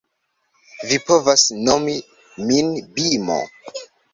Vi povas nomi min Bimo